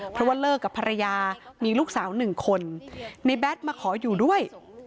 เพราะว่าเลิกกับภรรยามีลูกสาว๑คนนายแบตมาชอคอยู่ด้วย